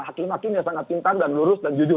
hakim hakimnya sangat pintar dan lurus dan jujur